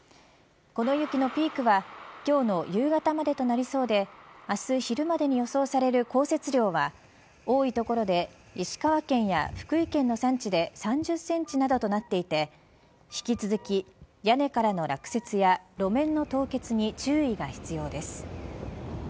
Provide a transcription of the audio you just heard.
この雪のピークは今日の夕方までとなりそうで明日昼までに予想される降雪量は多いところで石川県や福井県の山地で３０センチなどとなっていて引き続き、屋根からの落雪や路面の凍結に注意が必要です。